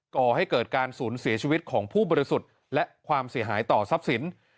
ก่อให้เกิดการสูญเสียชีวิตของผู้บริสุทธิ์และความเสียหายต่อทรัพย์สิน